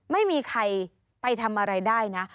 ไม่มีใครไปทำอะไรได้นะ